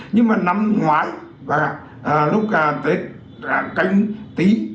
nhưng mà năm ngoái và lúc tết cánh tí